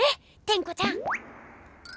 テンコちゃん！